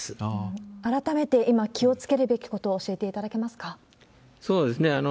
改めて今、気を付けるべきこと、教えていただけますか？